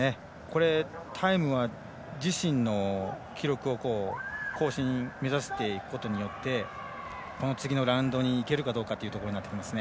タイムは自身の記録の更新を目指していくことによって次のラウンドにいけるかどうかというところになってきますね。